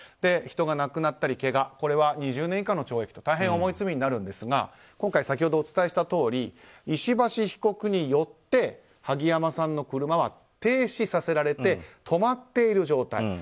人が亡くなったり、けがこれは２０年以下の懲役と大変重い罪になるんですが今回、先ほどお伝えしたとおり石橋被告によって萩山さんの車は停止させられて止まっている状態。